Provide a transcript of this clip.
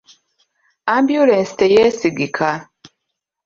Ambyulensi teyeesigika.